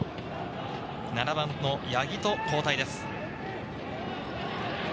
７番の八木と交代です。